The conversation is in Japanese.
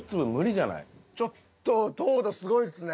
ちょっと糖度すごいですね。